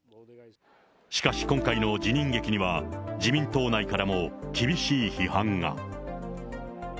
しかし今回の辞任劇には、自民党内からも厳しい批判が。